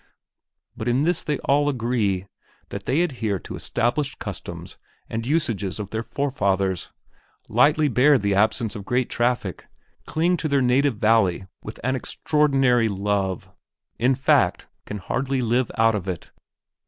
But in this they all agree, that they adhere to established customs and the usages of their forefathers, lightly bear the absence of great traffic, cling to their native valley with an extraordinary love; in fact, can hardly live out of it.